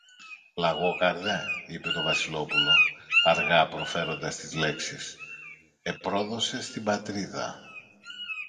Λαγόκαρδε, είπε το Βασιλόπουλο, αργά προφέροντας τις λέξεις, επρόδωσες την Πατρίδα.